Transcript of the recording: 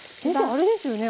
あれですよね